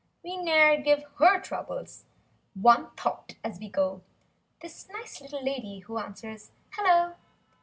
We ne'er give her troubles one thought as we go— This nice little lady who answers—"Hello!"